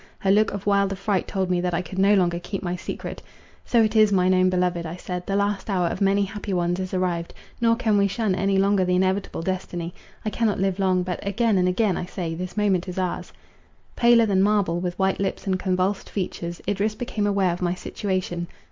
Her look of wild affright told me, that I could no longer keep my secret:—"So it is, mine own beloved," I said, "the last hour of many happy ones is arrived, nor can we shun any longer the inevitable destiny. I cannot live long—but, again and again, I say, this moment is ours!" Paler than marble, with white lips and convulsed features, Idris became aware of my situation.